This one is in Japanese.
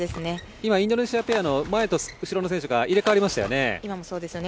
今、インドネシアペアの前と後ろの選手が入れ替わりましたね。